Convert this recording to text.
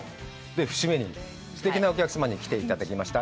節目にすてきなお客様に来ていただきました。